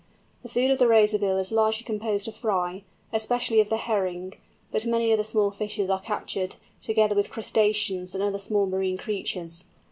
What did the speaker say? The food of the Razorbill is largely composed of fry, especially of the herring, but many other small fishes are captured, together with crustaceans and other small marine creatures.